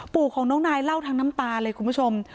ปู่ของน้องนายเล่าทั้งน้ำตาเลยคุณผู้ชม